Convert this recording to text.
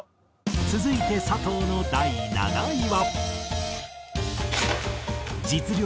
続いて佐藤の第７位は。